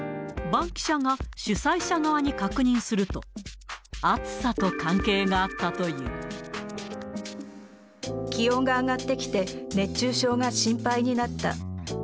バンキシャが主催者側に確認すると、暑さと関係があったとい気温が上がってきて、熱中症が心配になった。